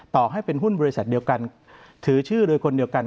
ต่อให้เป็นหุ้นบริษัทเดียวกันถือชื่อโดยคนเดียวกัน